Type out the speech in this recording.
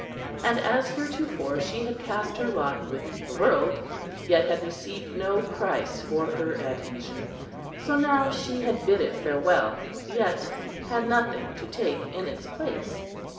And as heretofore she had cast her lot with the world, yet had received no price for her adhesion, so now she had bid it farewell; yet had nothing to take in its place.